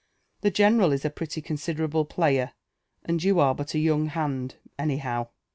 The general is a pretty considerable player, and you are but a young hand, any how."